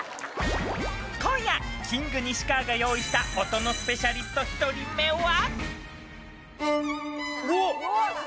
今夜キング西川が用意した音のスペシャリスト１人目は！